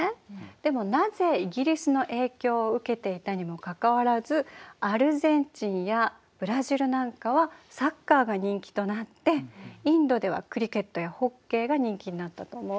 でもなぜイギリスの影響を受けていたにもかかわらずアルゼンチンやブラジルなんかはサッカーが人気となってインドではクリケットやホッケーが人気になったと思う？